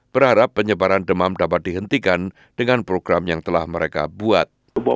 berharap penyebaran demam dapat dihentikan dengan program yang telah mereka buat